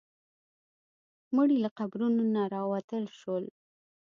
مړي له قبرونو نه راوتل شول.